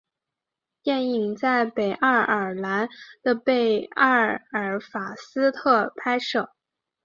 电影在北爱尔兰的贝尔法斯特拍摄。